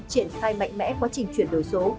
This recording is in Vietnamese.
triển khai mạnh mẽ quá trình chuyển đổi số